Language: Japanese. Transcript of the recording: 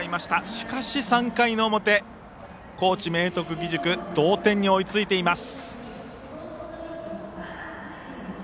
しかし、３回の表高知・明徳義塾同点に追いついています。